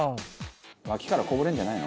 「脇からこぼれるんじゃないの？」